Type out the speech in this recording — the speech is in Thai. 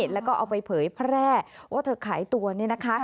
แล้วก็เอาไปเผยแพร่ว่าเธอขายตัวเนี่ยนะคะ